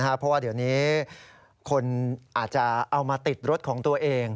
เพราะว่าเดี๋ยวนี้คนอาจจะเอามาติดรถของตัวเอง